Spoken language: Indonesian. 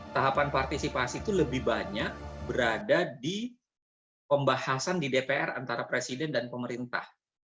tahapan partisipasi itu lebih banyak berada di pembahasan di dpr antara presiden dan pemerintah